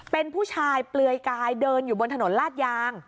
เป็นผู้ชายเปลือยกายเดินอยู่บนถนนลาดยาง